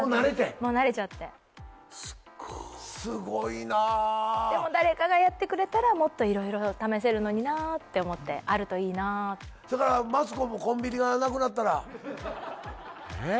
もう慣れてすっごいでも誰かがやってくれたらもっといろいろ試せるのになって思ってあるといいなそれからマツコもコンビニがなくなったらえーっ？